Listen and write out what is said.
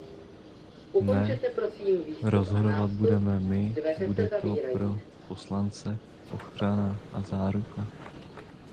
Ne, rozhodovat budeme my-bude to pro poslance ochrana a záruka.